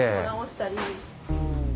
直したり。